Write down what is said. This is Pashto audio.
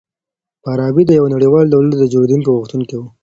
فارابي د يوه نړيوال دولت د جوړېدو غوښتونکی و.